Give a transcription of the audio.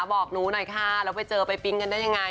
บอกหนูหน่อยค่ะแล้วไปเจอไปปิ๊งกันได้ยังไง